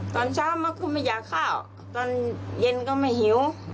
ตอนเช้ามันก็ไม่อยากข้าวตอนเย็นก็ไม่หิว